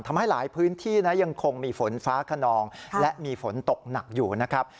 ทำให้หลายพื้นที่นะยังคงมีฝนฟ้าขนองและมีฝนตกหนักอยู่นะครับ